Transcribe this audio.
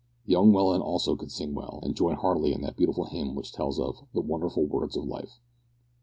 Young Welland also could sing well, and joined heartily in that beautiful hymn which tells of "The wonderful words of life."